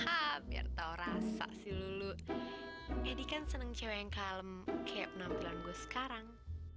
hai hampir tahu rasa sih lulu jadi kan seneng cewek kalem kayak nampak langsung sekarang